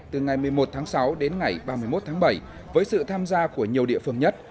từ ngày một mươi một tháng sáu đến ngày ba mươi một tháng bảy với sự tham gia của nhiều địa phương nhất